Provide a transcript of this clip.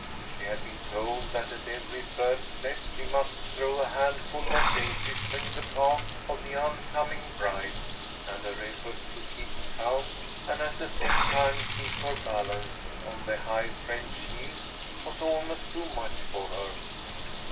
She had been told that at every third step she must throw a handful of daisies in the path of the on coming bride, and her effort to keep count and at the same time keep her balance on the high French heels was almost too much for her.